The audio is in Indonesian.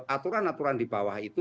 aturan aturan di bawah itu